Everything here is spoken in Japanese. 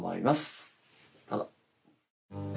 どうぞ！